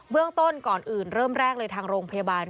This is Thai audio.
เรื่องต้นก่อนอื่นเริ่มแรกเลยทางโรงพยาบาล